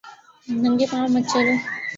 ننگے پاؤں مت چلو